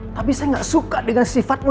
tapi saya gak suka dengan sifatnya